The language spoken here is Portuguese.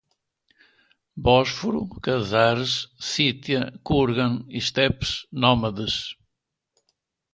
Bósforo, Cazares, Cítia, Kurgan, estepes, nômades